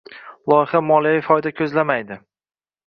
Loyiha moliyaviy foyda koʻzlamaydi.